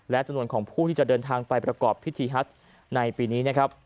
และจำนวนของผู้ที่จะเดินทางไปประกอบพิธีฮัตริย์ในปีนี้